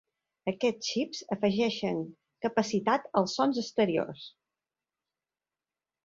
Aquests xips afegeixen capacitats als sons existents.